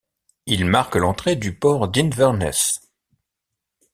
Il marque l'entrée du port d'Inverness.